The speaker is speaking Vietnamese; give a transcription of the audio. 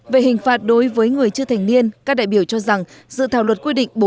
về hình phạt đối với người chưa thành niên các đại biểu cho rằng dự thảo luật quy định